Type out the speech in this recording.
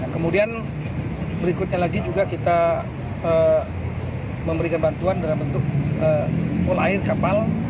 kemudian berikutnya lagi juga kita memberikan bantuan dalam bentuk polair kapal